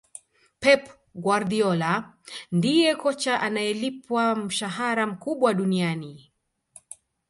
Pep Guardiola ndiye kocha anayelipwa mshahara mkubwa duniani